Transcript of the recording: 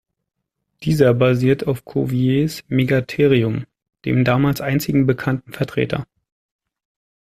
Dieser basierte auf Cuviers "Megatherium", dem damals einzigen bekannten Vertreter.